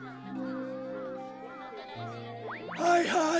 はいはい